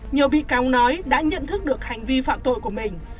nhiều bị cáo nói đã nhận thức được hành vi phạm tội của mình